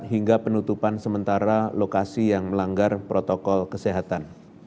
hingga penutupan sementara lokasi yang melanggar protokol kesehatan